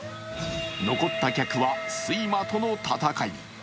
残った客は睡魔との戦い。